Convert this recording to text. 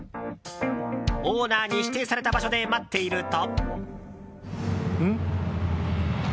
オーナーに指定された場所で待っていると。